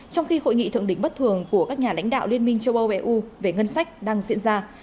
trong khi hội nghị thượng đỉnh bất thường của các nhà lãnh đạo liên minh châu âu eu về ngân sách đang diễn ra